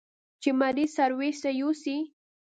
چې مريض سرويس ته يوسي.